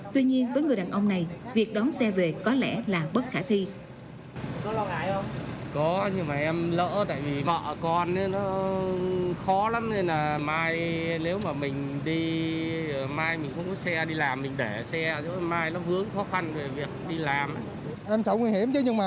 tuy nhiên với người đàn ông này việc đón xe về có lẽ là bất khả thi